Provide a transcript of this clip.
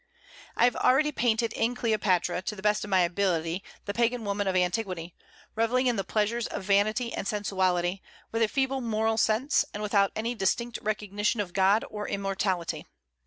I have already painted in Cleopatra, to the best of my ability, the Pagan woman of antiquity, revelling in the pleasures of vanity and sensuality, with a feeble moral sense, and without any distinct recognition of God or of immortality.